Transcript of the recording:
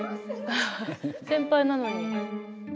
先輩なのに。